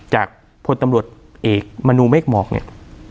พลตำรวจเอกมนูเมฆหมอกเนี่ย